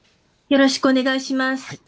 よろしくお願いします。